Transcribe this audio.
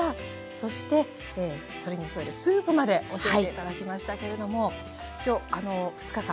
そしてそれに添えるスープまで教えて頂きましたけれどもきょう２日間